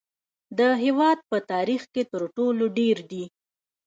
د هیواد په تاریخ کې تر ټولو ډیر دي